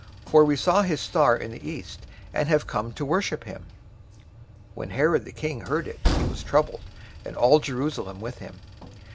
For we saw his star in the east, and have come to worship him." 002:003 When Herod the king heard it, he was troubled, and all Jerusalem with him.